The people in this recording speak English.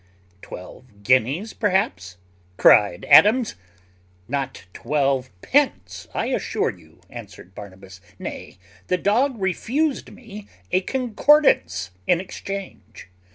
"Twelve guineas perhaps," cried Adams. "Not twelve pence, I assure you," answered Barnabas: "nay, the dog refused me a Concordance in exchange.